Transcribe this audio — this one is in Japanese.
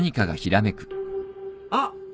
あっ。